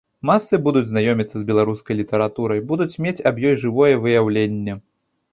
Масы будуць знаёміцца з беларускай літаратурай, будуць мець аб ёй жывое выяўленне.